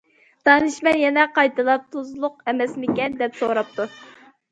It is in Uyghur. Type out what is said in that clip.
دانىشمەن يەنە قايتىلاپ:« تۇزلۇق ئەمەسمىكەن؟» دەپ سوراپتۇ.